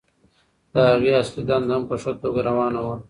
د هغې اصلي دنده هم په ښه توګه روانه وه.